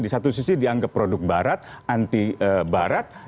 di satu sisi dianggap produk barat anti barat